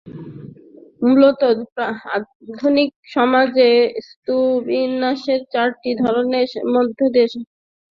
মূলত আধুনিক সমাজে স্তরবিন্যাসের চারটি ধরনের মধ্যে সামাজিক শ্রেণি বেশি মাত্রায় লক্ষণীয়।